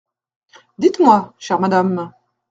Dites-moi, chère madame …